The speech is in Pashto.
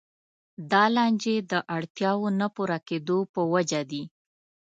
دا لانجې د اړتیاوو نه پوره کېدو په وجه دي.